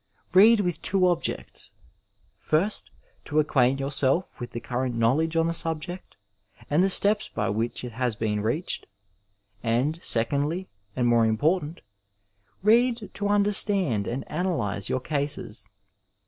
Read with two objects: first, to acquaint yourself with the current knowledge on, the subject and the steps by which it has been reached ; and secondly, and more important, read to understand and analyse your cases.